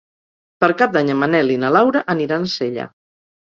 Per Cap d'Any en Manel i na Laura aniran a Sella.